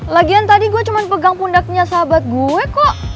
lagian tadi gue cuma pegang pundaknya sahabat gue kok